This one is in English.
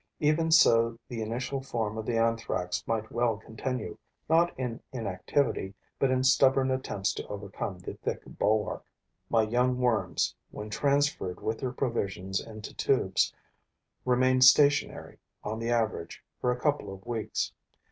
Even so the initial form of the Anthrax might well continue, not in inactivity, but in stubborn attempts to overcome the thick bulwark. My young worms, when transferred with their provisions into tubes, remained stationary, on the average, for a couple of weeks.